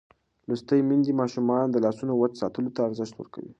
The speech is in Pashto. لوستې میندې د ماشومانو د لاسونو وچ ساتلو ته ارزښت ورکوي.